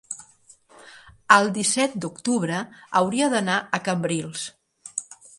el disset d'octubre hauria d'anar a Cambrils.